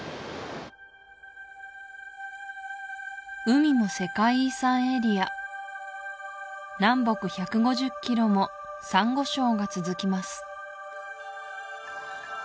海も世界遺産エリア南北１５０ｋｍもサンゴ礁が続きます